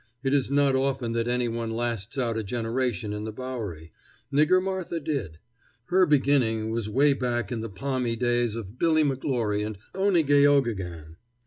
It is not often that any one lasts out a generation in the Bowery. Nigger Martha did. Her beginning was way back in the palmy days of Billy McGlory and Owney Geoghegan.